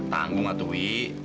tanggung atuh wih